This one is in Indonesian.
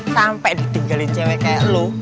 sampai ditinggalin cewek kayak lo